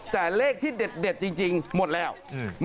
แต่เลขที่เด็ดเด็ดจริงจริงหมดแล้วอืม